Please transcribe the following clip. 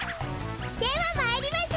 ではまいりましょ！